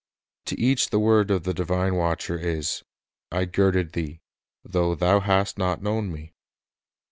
To each the word of the divine Watcher is, "I girded thee, though thou hast not known Me."